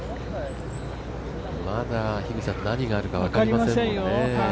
まだ何があるか分かりませんね。